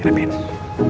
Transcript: masuk masuk dong